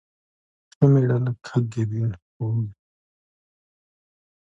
ښه مېړه لکه ګبين خوږ وي